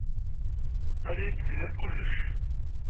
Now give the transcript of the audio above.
Ad iyi-d-tiniḍ kullec.